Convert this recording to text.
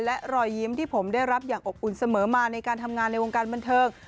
และรอยยิ้มที่ผมได้รับอย่างอบอุ่นเสมอมาในการทำงานในวงการบันเทิง